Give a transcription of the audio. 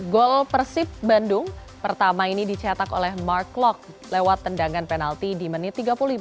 gol persib bandung pertama ini dicetak oleh mark klok lewat tendangan penalti di menit tiga puluh lima